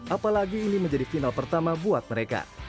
apalagi ini menjadi final pertama buat mereka